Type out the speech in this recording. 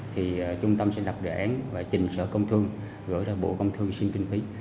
thì trung tâm sẽ lập đề án và trình sở công thương gửi ra bộ công thương xin kinh phí